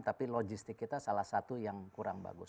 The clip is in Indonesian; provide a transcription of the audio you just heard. tapi logistik kita salah satu yang kurang bagus